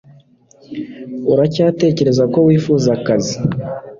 Uracyatekereza ko wifuza akazi